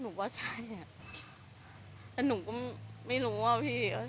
หนูว่าใช่แต่หนูก็ไม่รู้ว่าใช่หรอก